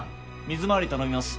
水回り頼みます。